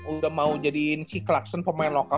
udah mau jadiin si clubstan pemain lokal